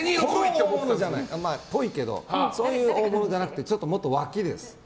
っぽいけどそういう大物じゃなくてちょっともっと脇です。